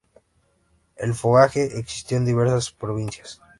El fogaje existió en diversas provincias.